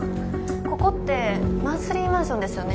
ここってマンスリーマンションですよね？